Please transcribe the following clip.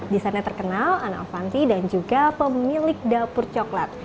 desainnya terkenal ana avanti dan juga pemilik dapur coklat